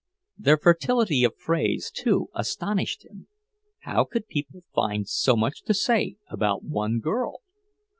Their fertility of phrase, too, astonished him; how could people find so much to say about one girl?